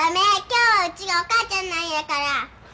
今日はうちがお母ちゃんなんやから。